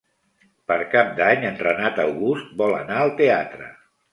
Per Cap d'Any en Renat August vol anar al teatre.